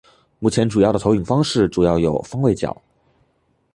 目前主要的投影方式主要有方位角。